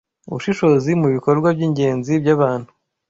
ubushishozi mubikorwa byingenzi byabantu